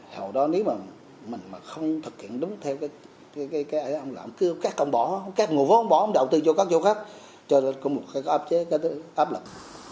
hồi đó nếu mà mình không thực hiện đúng theo cái ông làm cứ các ông bỏ các ngôi phố ông bỏ ông đầu tư cho các chỗ khác cho một cái áp chế cái áp lực